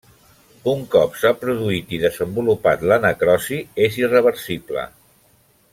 Un cop s'ha produït i desenvolupat la necrosi, és irreversible.